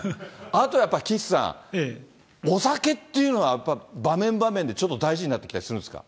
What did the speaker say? あとやっぱり岸さん、お酒っていうのは、やっぱり場面、場面でちょっと大事になってきたりするんですか？